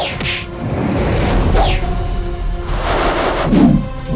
terima kasih your majesty